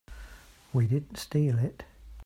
We didn't steal it.